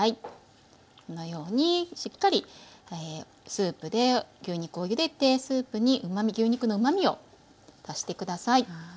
このようにしっかりスープで牛肉をゆでてスープに牛肉のうまみを足して下さい。